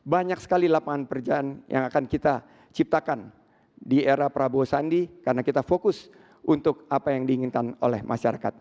banyak sekali lapangan pekerjaan yang akan kita ciptakan di era prabowo sandi karena kita fokus untuk apa yang diinginkan oleh masyarakat